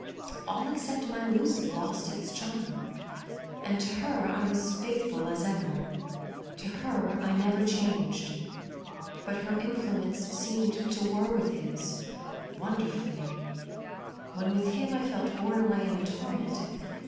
All except my Lucy lost its charm ; and to her I was fiiithful as ever ; to her I never changed. But her influence seemed to war with his wonderfully. When with him I felt borne away in a torrent.